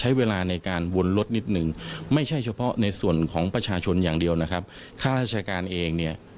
แต่ว่าท้ายที่สุดแล้วก็จะสามารถจอดรถได้